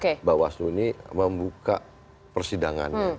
karena bawaslu ini membuka persidangannya